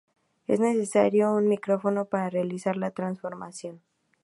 Es necesario un micrófono para realizar la transformación.